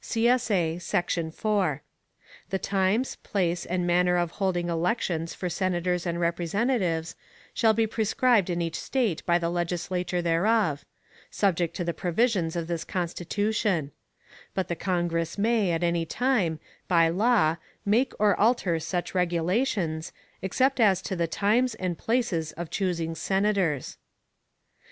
[CSA] Section 4. The times, place, and manner of holding elections for Senators and Representatives, shall be prescribed in each State by the Legislature thereof, subject to the provisions of this Constitution; but the Congress may, at any time, by law, make or alter such regulations, except as to the times and places of choosing Senators.